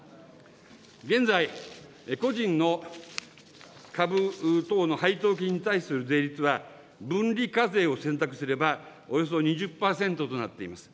現在、個人の株等の配当金に対する税率は分離課税を選択すれば、およそ２０％となっています。